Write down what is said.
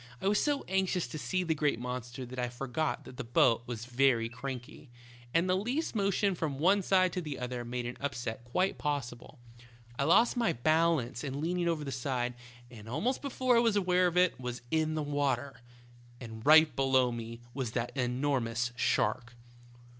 I was so anxious to see the great monster that I forgot that the boat was very cranky, and the least motion from one side to the other made an upset quite possible. I lost my balance in leaning over the side, and almost before I was aware of it was in the water. And right below me was that enormous shark.